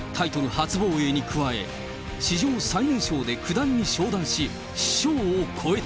初防衛に加え、史上最年少で九段に昇段し、師匠を超えた。